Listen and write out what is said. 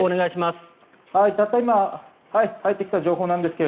たった今、入ってきた情報なんですが